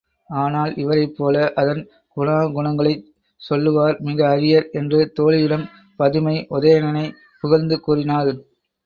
ஆனால் இவரைப்போல அதன் குணாகுணங்களைச் சொல்லுவார் மிக அரியர் என்று தோழியிடம் பதுமை உதயணனைப் புகழ்ந்து கூறினாள்.